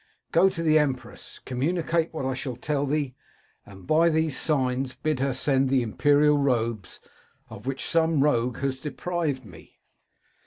Go to the empress ; com municate what I shall tell thee, and by these signs, bid her send the imperial robes, of which some rogue has deprived me.'